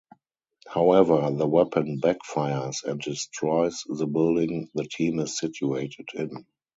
However, the weapon backfires and destroys the building the team is situated in.